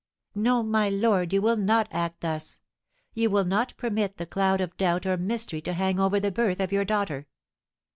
"No, my lord, you will not act thus! You will not permit the cloud of doubt or mystery to hang over the birth of your daughter.